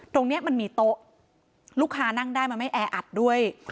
ตรงนี้มันมีโต๊ะลูกค้านั่งได้มันไม่แออัดด้วย